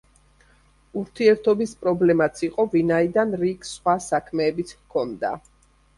ურთიერთობის პრობლემაც იყო, ვინაიდან რიკს სხვა საქმეებიც ჰქონდა.